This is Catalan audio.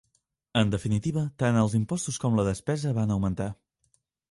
En definitiva, tant els impostos com la despesa van augmentar.